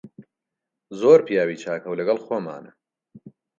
زۆر پیاوی چاکە و لەگەڵ خۆمانە.